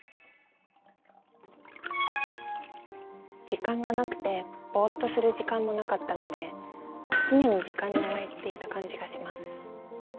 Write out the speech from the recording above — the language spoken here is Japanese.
時間がなくてボッとする時間もなかったので常に時間に追われていた感じがします。